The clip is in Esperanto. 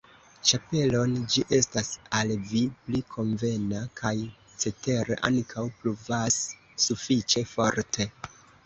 ĉapelon, ĝi estas al vi pli konvena, kaj cetere ankaŭ pluvas sufiĉe forte.